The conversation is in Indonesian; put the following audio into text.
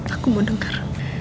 aku mau denger